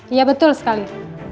iya betul sekali